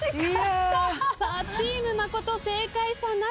さあチーム真琴正解者なし。